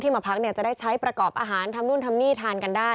มาพักเนี่ยจะได้ใช้ประกอบอาหารทำนู่นทำนี่ทานกันได้